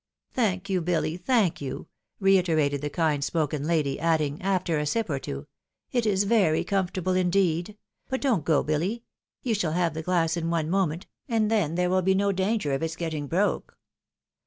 " Thank you, BiUy, thank you !" reiterated the kind spoken lady, adding, after a sip or two, " It is very comfortable in&eed ! But don't go, BiUy ; you shall have the glass in one moment, and then there will be no danger of its getting broke."